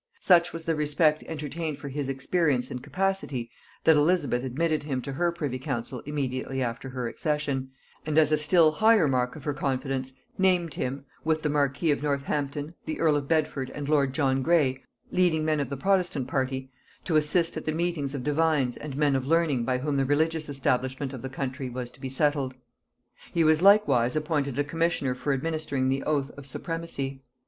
Such was the respect entertained for his experience and capacity, that Elizabeth admitted him to her privy council immediately after her accession, and as a still higher mark of her confidence named him, with the marquis of Northampton, the earl of Bedford, and lord John Grey, leading men of the protestant party, to assist at the meetings of divines and men of learning by whom the religious establishment of the country was to be settled. He was likewise appointed a commissioner for administering the oath of supremacy.